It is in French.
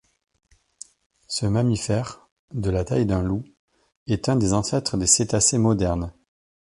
Ce mammifère, de la taille d'un loup, est un des ancêtres des cétacés modernes.